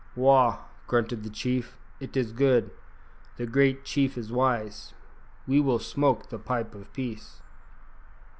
"Wah!" grunted the chief; "it is good. The great chief is wise. We will smoke the pipe of peace."